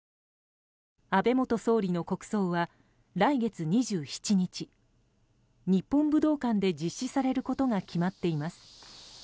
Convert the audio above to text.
安倍元総理の国葬は来月２７日日本武道館で実施されることが決まっています。